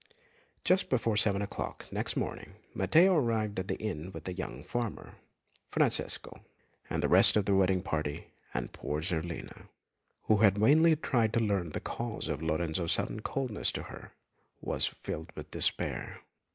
Just before seven o'clock next morning Matteo arrived at the inn with the young farmer, Francesco, and the rest of the wedding party, and poor Zerlina, who had vainly tried to learn the cause of Lorenzo's sudden coldness to her, was filled with despair.